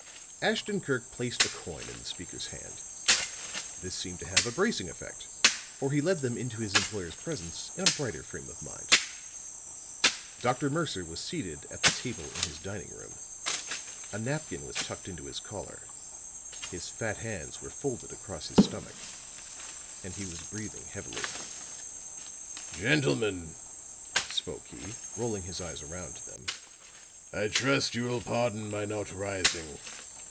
Ashton Kirk placed a coin in the speaker's hand; this seemed to have a bracing effect, for he led them into his employer's presence in a brighter frame of mind. Dr. Mercer was seated at the table in his dining room. A napkin was tucked in his collar, his fat hands were folded across his stomach, and he was breathing heavily. "Gentlemen," spoke he, rolling his eyes around to them, "I trust you will pardon my not rising.